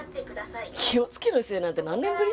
気をつけの姿勢なんて何年ぶり？